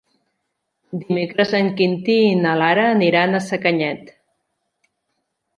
Dimecres en Quintí i na Lara aniran a Sacanyet.